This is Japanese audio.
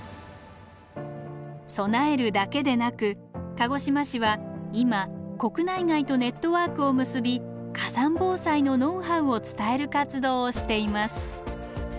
備えるだけでなく鹿児島市は今国内外とネットワークを結び火山防災のノウハウを伝える活動をしています。